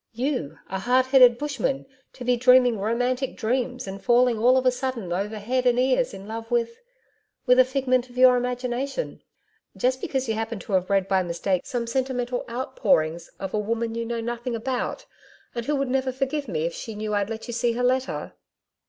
You a hard headed Bushman, to be dreaming romantic dreams and falling all of a sudden over head and ears in love with with a figment of your imagination just because you happen to have read by mistake some sentimental outpourings of a woman you know nothing about and who would never forgive me if she knew I'd let you see her letter.'